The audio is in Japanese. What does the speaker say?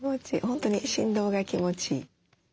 本当に振動が気持ちいい。